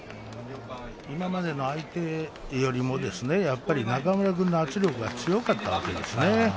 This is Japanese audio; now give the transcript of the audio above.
今までの相手よりもやっぱり中村君の圧力が強かったわけですね。